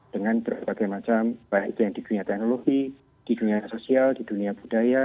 dengan berbagai macam baik itu yang di dunia teknologi di dunia sosial di dunia budaya